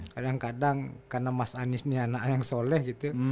kadang kadang karena mas anies ini anak yang soleh gitu